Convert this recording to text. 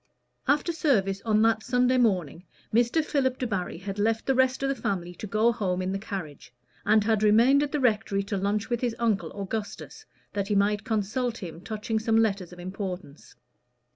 After service on that Sunday morning, Mr. Philip Debarry had left the rest of the family to go home in the carriage, and had remained at the rectory to lunch with his uncle Augustus, that he might consult him touching some letters of importance.